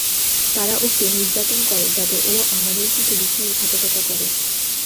তারা ওকে নির্যাতন করে যাতে ও আমাদের সাথে বিশ্বাসঘাতকতা করে।